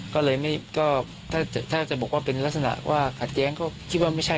ก็เลยถ้าจะบอกว่าเป็นลักษณะว่าขัดแย้งก็คิดว่าไม่ใช่